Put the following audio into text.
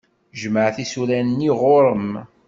Jmeɛ tisura-nni ɣur-m.